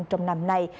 trong năm nay